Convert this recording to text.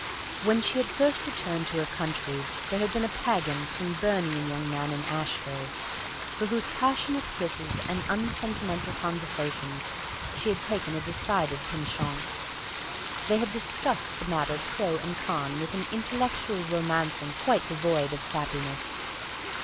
When she had first returned to her country there had been a pagan, Swinburnian young man in Asheville, for whose passionate kisses and unsentimental conversations she had taken a decided penchant—they had discussed the matter pro and con with an intellectual romancing quite devoid of sappiness.